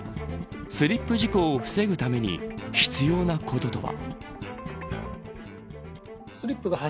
スリップ事故を防ぐために必要なこととは。